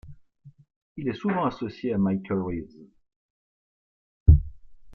Il est souvent associé à Michael Reaves.